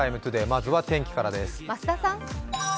まずは天気からです。